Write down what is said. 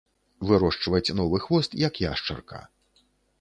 Вырошчваць новы хвост, як яшчарка.